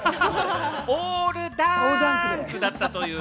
オールダンクだったという。